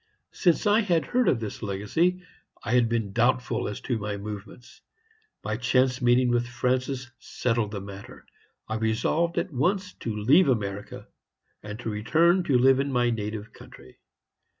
Since I had heard of this legacy I had been doubtful as to my movements. My chance meeting with Francis settled the matter. I resolved at once to leave America, and to return to live in my native country.